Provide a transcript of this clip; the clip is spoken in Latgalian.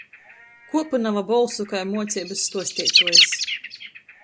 Kuopynuoja bolsu kai muoceibys stuostietuojs.